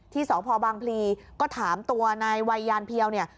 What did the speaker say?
ที่สพบางพลีก็ถามตัวนายวัยยานเพียวเนี่ย